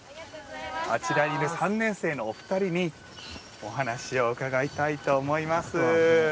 あちらにいる３年生のお二人にお話を伺いたいと思います。